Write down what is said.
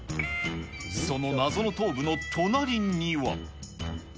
その謎の頭部の隣には。